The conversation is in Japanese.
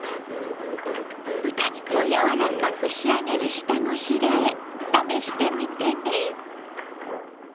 豚肉を柔らかく仕上げる下ごしらえ試してみてね。